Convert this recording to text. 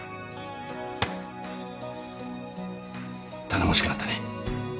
頼もしくなったね。